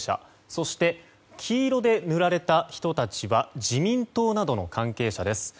そして、黄色で塗られた人たちは自民党などの関係者です。